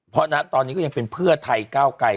เพราะนะตอนนี้ก็ยังเป็นเพื่อไทยก้าวไกร